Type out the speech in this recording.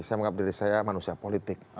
saya menganggap diri saya manusia politik